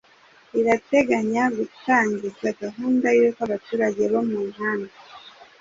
rirateganya gutangiza gahunda y’uko abaturage bo mu nkambi